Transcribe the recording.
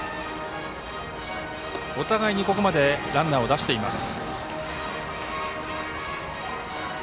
お互いにここまでランナーを出しています。